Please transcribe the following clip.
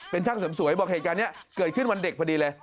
เป็นช่างเสริมสวยบอกเหตุการณ์นี้เกิดขึ้นวันเด็กพอดีเลย